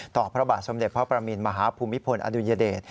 พระบาทสมเด็จพระประมินมหาภูมิพลอดุญเดช